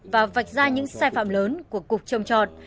và vạch ra những sai phạm lớn của cục trồng trọt